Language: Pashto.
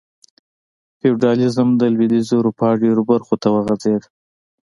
فیوډالېزم د لوېدیځې اروپا ډېرو برخو ته وغځېد.